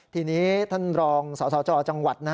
ทีนี้ท่านรองสสจจังหวัด